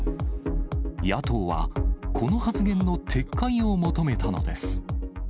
野党は、この発言の撤回を求めたのです。